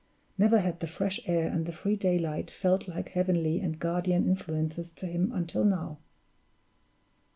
Never had the fresh air and the free daylight felt like heavenly and guardian influences to him until now!